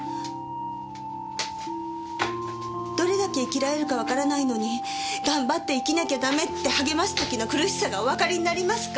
どれだけ生きられるかわからないのに「頑張って生きなきゃ駄目」って励ます時の苦しさがおわかりになりますか？